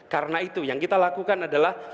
karena itu yang kita lakukan adalah